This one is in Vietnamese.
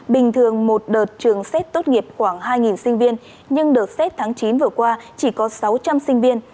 bình thường một đợt trường xét tốt nghiệp khoảng hai sinh viên nhưng đợt xét tháng chín vừa qua chỉ có sáu trăm linh sinh viên